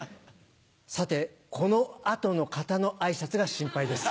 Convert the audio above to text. さてこの後の方の挨拶が心配です。